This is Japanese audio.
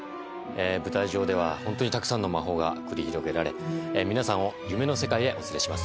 舞台上では本当にたくさんの魔法が繰り広げられ皆さんを夢の世界へお連れします